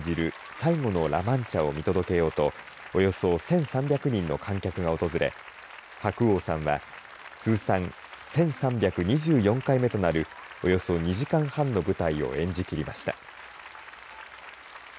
最後のラ・マンチャを見届けようとおよそ１３００人の観客が訪れ白鸚さんは通算１３２４回目となるおよそ２時間半の舞台を演じ切りました。